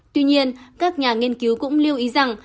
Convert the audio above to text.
tuy nhiên các nhà nghiên cứu cũng lưu ý rằng